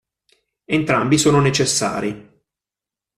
Entrambi sono necessari.